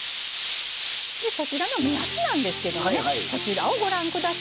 でそちらの目安なんですけどねこちらをご覧下さい。